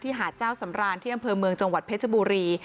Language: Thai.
หาดเจ้าสำรานที่อำเภอเมืองจังหวัดเพชรบุรี